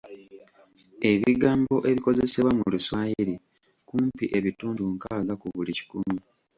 Ebigambo ebikozesebwa mu Luswayiri kumpi ebitundu nkaaga ku buli kikumi.